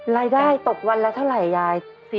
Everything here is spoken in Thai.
รายได้ตกวันละเท่าไหร่ยาย